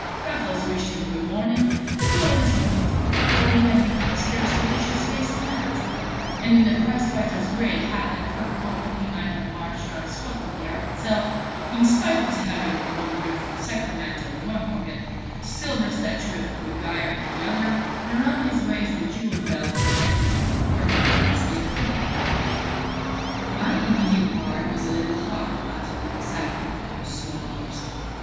Raffles wished him good morning, as well he might; for he had been upstairs to wash his face and hands; and in the prize fighter's great hat and fur coat he might have marched round Scotland Yard itself, in spite of his having the gold brick from Sacramento in one pocket, the silver statuette of Maguire in the other, and round his waist the jewelled belt presented to that worthy by the State of Nevada. My immediate part was a little hard after the excitement of those small hours.